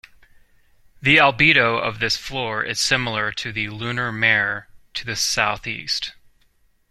The albedo of this floor is similar to the lunar mare to the southeast.